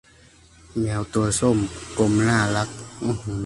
เหมียวส้มตัวกลมน่าฟัด